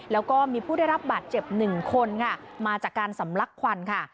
แล้วก็มีผู้ได้รับบาดเจ็บหนึ่งคนค่ะมาจากการสำลักควันค่ะ